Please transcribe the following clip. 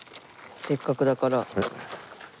せっかくだから。